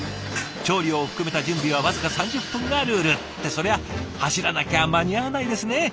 調理を含めた準備は僅か３０分がルール。ってそりゃあ走らなきゃ間に合わないですね！